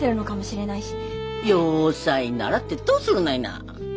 洋裁習ってどうするのいな。